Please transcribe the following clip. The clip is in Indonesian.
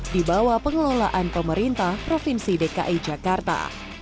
di bawah pengelolaan pemerintah provinsi dki jakarta